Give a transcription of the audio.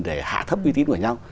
để hạ thấp uy tín của nhau